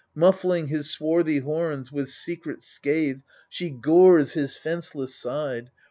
Muffling his swarthy horns, with secret scathe She gores his fenceless side